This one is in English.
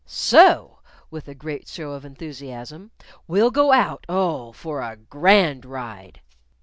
So" with a great show of enthusiasm "we'll go out, oh! for a grand ride."